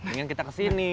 ingin kita ke sini